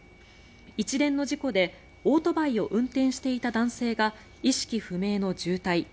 一連の事故でオートバイを運転していた男性が意識不明の重体